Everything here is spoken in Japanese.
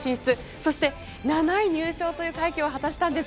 そして、７位入賞という快挙を果たしたんです。